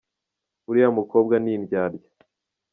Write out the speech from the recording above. Uriya mukobwa ni indyarya.